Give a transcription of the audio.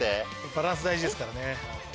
バランス大事ですからね。